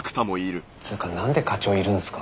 つうかなんで課長いるんすか？